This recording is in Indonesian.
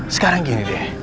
sekarang gini deh